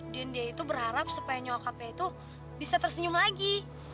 dan dia itu berharap supaya nyokapnya itu bisa tersenyum lagi